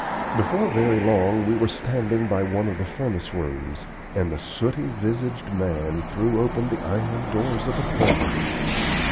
Before very long we were standing by one of the furnace rooms, and the sooty visaged man threw open the iron doors of the furnace.